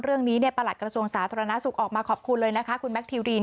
เรื่องนี้ประหลัดกระทรวงสาธารณสุขออกมาขอบคุณเลยนะคะคุณแมคทิวรีน